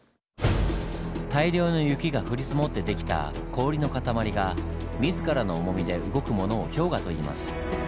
大量の雪が降り積もって出来た氷の塊が自らの重みで動くものを「氷河」といいます。